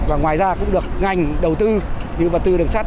và ngoài ra cũng được ngành đầu tư như vật tư đường sắt